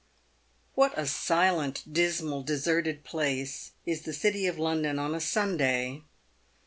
What a silent, dismal, deserted place is the City of London on a Sunday